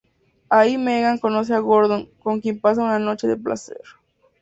Ahí Meghan conoce a Gordon, con quien pasa una noche de placer.